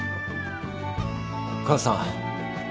母さん。